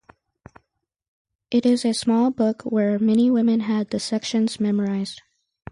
It is a small book and many women had the sections memorized.